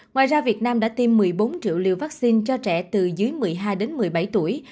ngoài ra việt nam đã tiêm một mươi bốn triệu liều vaccine cho trẻ từ dưới một mươi hai đến một mươi bảy tuổi